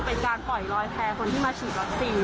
เป็นการปล่อยลอยแพ้คนที่มาฉีดวัคซีน